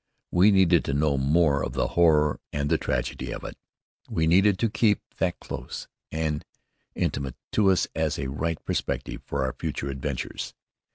We needed to know more of the horror and the tragedy of it. We needed to keep that close and intimate to us as a right perspective for our future adventures.